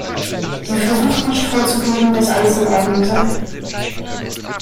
Sie versucht nicht vorzugeben, dass alles in Ordnung sei.